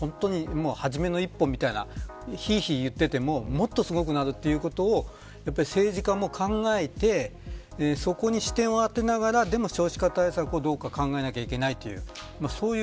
今は、はじめの一歩みたいなヒーヒー言っててももっとすごくなるということ政治家も考えてそこに視点を上げながら、でも少子化を考えないといけない。